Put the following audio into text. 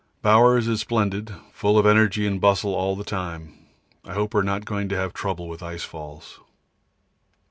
Bowers is splendid, full of energy and bustle all the time. I hope we are not going to have trouble with ice falls.